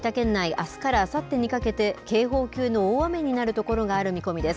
秋田県内あすからあさってにかけて警報級の大雨になるところがある見込みです。